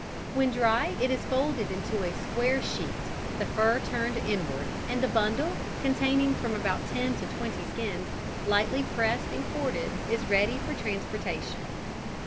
When dry it is folded into a square sheet, the fur turned inward, and the bundle, containing from about ten to twenty skins, lightly pressed and corded, is ready for transportation.